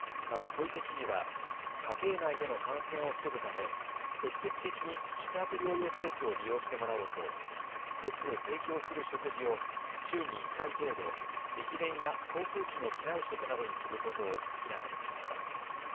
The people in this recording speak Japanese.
また、小池知事は家庭内での感染を防ぐため積極的に宿泊療養施設を利用してもらおうと施設で提供する食事を週に１回程度、駅弁や航空機の機内食などにすることを明らかにしました。